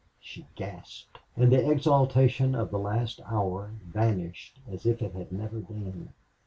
she gasped. And the exaltation of the last hour vanished as if it had never been.